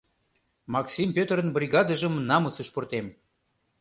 — Макси Пӧтырын бригадыжым намысыш пуртем.